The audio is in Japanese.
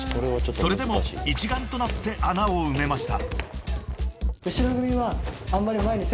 ［それでも一丸となって穴を埋めました］